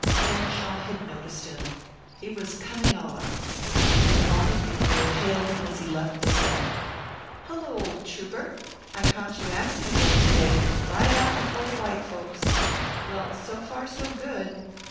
Henshaw had noticed him. He was coming on. The Montague girl hailed him as he left the set. "Hullo, old trouper. I caught you actin' again to day, right out before the white folks. Well, so far so good.